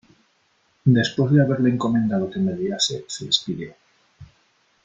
después de haberle encomendado que me guiase , se despidió .